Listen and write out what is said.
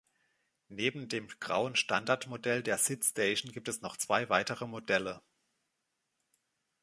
Neben dem grauen Standard-Modell der SidStation gibt es noch zwei weitere Modelle.